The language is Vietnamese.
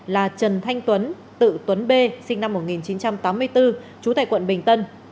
là trần thanh tuấn tự tuấn b sinh năm một nghìn chín trăm tám mươi bốn trú tại quận bình tân